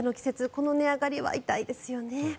この値上がりは痛いですよね。